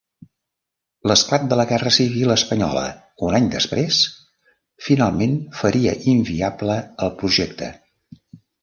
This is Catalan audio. L'esclat de la guerra civil espanyola un any després, finalment faria inviable el projecte.